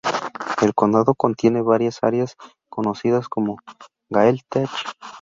El condado contiene varias áreas, conocidas como Gaeltacht.